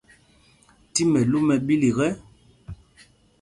Ti mɛlu mɛ ɓílik ɛ.